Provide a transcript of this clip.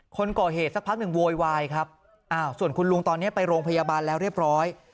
คนก่อเหตุสักพักหนึ่งโวยวายครับอ้าวส่วนคุณลุงตอนนี้ไปโรงพยาบาลแล้วเรียบร้อย